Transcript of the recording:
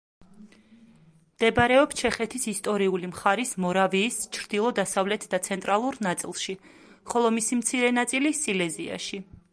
მდებარეობს ჩეხეთის ისტორიული მხარის მორავიის ჩრდილო-დასავლეთ და ცენტრალურ ნაწილში, ხოლო მისი მცირე ნაწილი სილეზიაში.